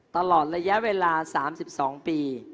ตลอดระยะเวลา๓๒ปี